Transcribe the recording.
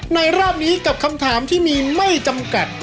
รอบนี้กับคำถามที่มีไม่จำกัด